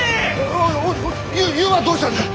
おいおい湯湯はどうしたんじゃ。